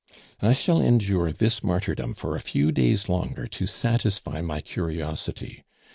"I shall endure this martyrdom for a few days longer to satisfy my curiosity.